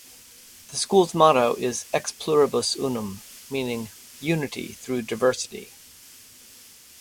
The school's motto is "Ex Pluribus Unum", meaning "unity through diversity".